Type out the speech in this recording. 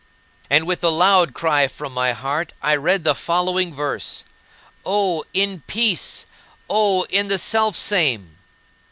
11. And with a loud cry from my heart, I read the following verse: "Oh, in peace! Oh, in the Selfsame!"